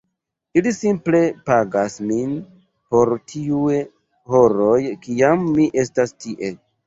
Ili simple pagas min por tiuj horoj kiam mi estas tie.